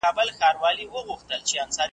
مځکه به کړو خپله له اسمان سره به څه کوو .